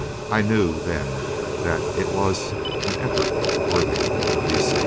I knew then that it was an effort worthy of the V.